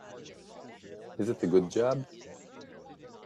Is it a good job?